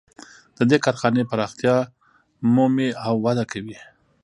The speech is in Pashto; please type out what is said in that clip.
د دې کارخانې پراختیا مومي او وده کوي